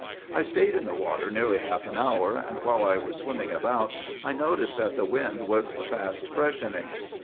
"I stayed in the water nearly half an hour, and while I was swimming about I noticed that the wind was fast freshening.